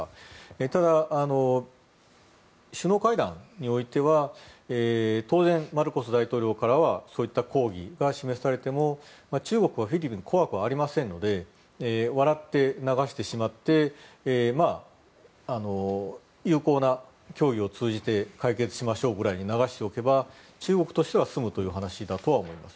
ただ、首脳会談においては当然、マルコス大統領からはそういった抗議は示されても中国はフィリピンは怖くはありませんので笑って流してしまって友好な協議を通じて解決しましょうぐらいに流しておけば、中国としては済むことだと思います。